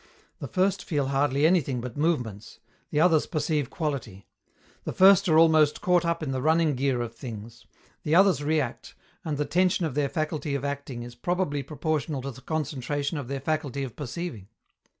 The first feel hardly anything but movements; the others perceive quality. The first are almost caught up in the running gear of things; the others react, and the tension of their faculty of acting is probably proportional to the concentration of their faculty of perceiving.